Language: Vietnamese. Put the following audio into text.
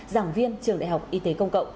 giảng viên trường đại học y tế công cộng